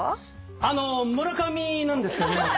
あのー村上なんですけども。